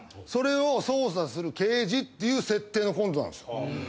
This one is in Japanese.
それを捜査する刑事っていう設定のコントなんですよ。